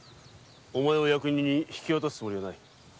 お前を役人に引き渡すつもりはない。